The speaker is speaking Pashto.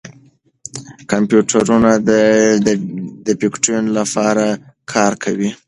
کمپیوټرونه د بېټکوین لپاره کار کوي.